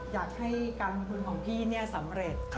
อยากให้การลงทุนของพี่สำเร็จ